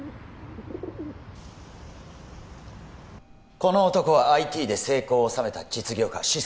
この男はＩＴで成功を収めた実業家資産